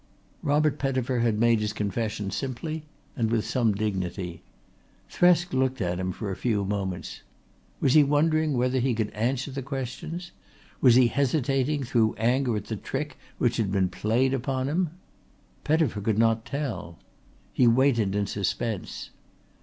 Robert Pettifer had made his confession simply and with some dignity. Thresk looked at him for a few moments. Was he wondering whether he could answer the questions? Was he hesitating through anger at the trick which had been played upon him? Pettifer could not tell. He waited in suspense.